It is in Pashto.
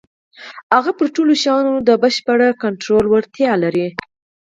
هغه پر ټولو شيانو د بشپړ کنټرول وړتيا لري.